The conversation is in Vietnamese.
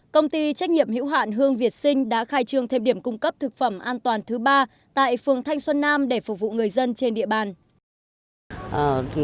công ty trách nhiệm hữu hạn hương việt sinh đã khai trương thêm điểm cung cấp thực phẩm an toàn thứ ba tại phường thanh xuân nam để phục vụ người dân trên địa bàn